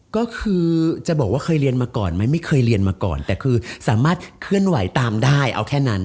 ก็คือจะบอกว่าเคยเรียนมาก่อนไหมไม่เคยเรียนมาก่อนแต่คือสามารถเคลื่อนไหวตามได้เอาแค่นั้น